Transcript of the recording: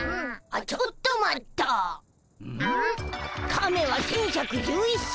カメは１，１１１歳。